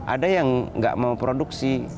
ada yang nggak mau produksi